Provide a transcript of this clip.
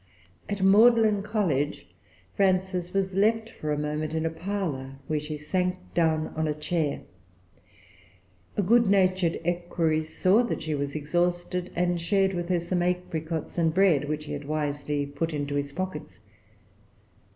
At Magdalene College, Frances was left for a moment in a parlor, where she sank down on a chair. A good natured equerry saw that she was exhausted, and shared with her some apricots and bread, which he had wisely put into his pockets.